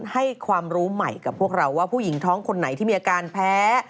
ให้ความรู้ใหม่กับพวกเราว่าผู้หญิงท้องคนไหนที่มีอาการแพ้